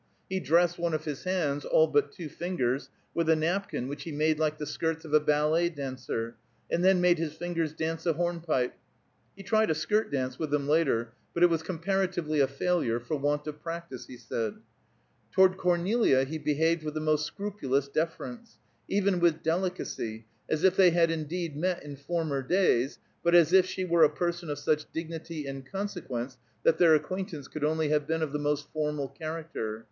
He dressed one of his hands, all but two fingers, with a napkin which he made like the skirts of a ballet dancer, and then made his fingers dance a hornpipe. He tried a skirt dance with them later, but it was comparatively a failure, for want of practice, he said. Toward Cornelia he behaved with the most scrupulous deference, even with delicacy, as if they had indeed met in former days, but as if she were a person of such dignity and consequence that their acquaintance could only have been of the most formal character.